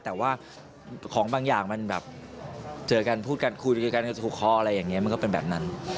แต่ว่าของบางอย่างมันแบบเจอกันพูดกันคุยพ๑๐๐๐อะไรแบบนี้ก็เป็นแบบนั้น